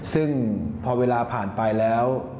ซึ่งพอเวลาผ่านไปแล้ว